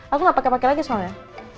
aku gak pake pake lagi soalnya